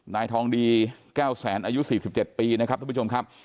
นายทองดีแก้วแสนอายุ๔๗ปีนะครับทุกผู้ชมครับ